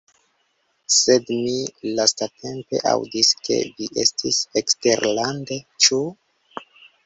Sed mi lastatempe aŭdis ke vi estis eksterlande, ĉu?